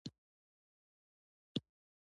هغې او زوم یې پیاوړی مرکزي دولت جوړ کړ.